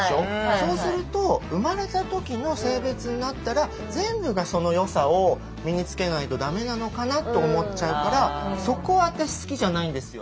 そうすると生まれた時の性別になったら全部がその良さを身につけないとダメなのかなと思っちゃうからそこ私好きじゃないんですよ。